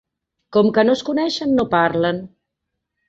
Com que no es coneixen no parlen.